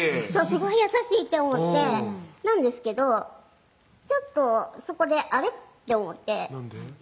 すごい優しいって思ってなんですけどちょっとそこであれ？って思ってなんで？